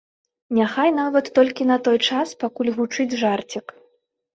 Няхай нават толькі на той час, пакуль гучыць жарцік.